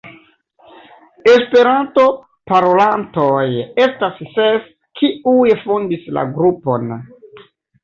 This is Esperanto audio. Esperanto parolantoj estas ses, kiuj fondis la grupon.